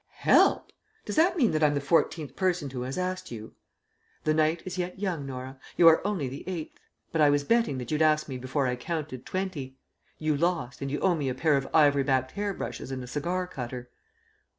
"Help! Does that mean that I'm the fourteenth person who has asked you?" "The night is yet young, Norah. You are only the eighth. But I was betting that you'd ask me before I counted twenty. You lost, and you owe me a pair of ivory backed hair brushes and a cigar cutter."